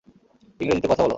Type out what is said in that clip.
ইংরেজিতে কথা বলো।